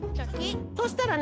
そしたらね